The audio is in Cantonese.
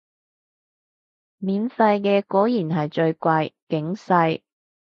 免費嘢果然係最貴，警世